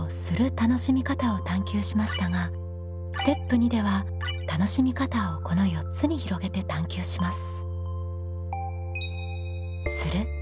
楽しみ方を探究しましたがステップ２では楽しみ方をこの４つに広げて探究します。